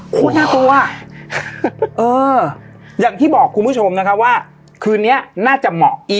น่ากลัวเอออย่างที่บอกคุณผู้ชมนะคะว่าคืนนี้น่าจะเหมาะอี